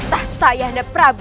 tah sayangnya prabu